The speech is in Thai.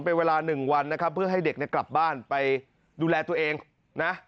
เป็นเวลาหนึ่งวันนะครับเพื่อให้เด็กเนี่ยกลับบ้านไปดูแลตัวเองนะ